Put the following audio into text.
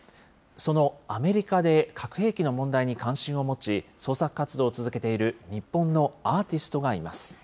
そのアメリカで核兵器の問題に関心を持ち、創作活動を続けている日本のアーティストがいます。